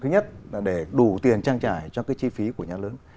thứ nhất là để đủ tiền trang trải cho cái chi phí của nhà lớn